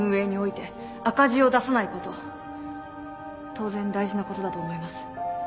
当然大事なことだと思います。